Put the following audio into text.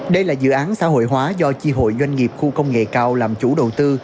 đây là dự án xã hội hóa do chi hội doanh nghiệp khu công nghệ cao làm chủ đầu tư